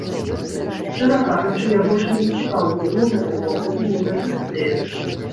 Шчыра кажучы, я больш не зацікаўлены ні ў гэтым вобразе, ні ў гэтых ідэях.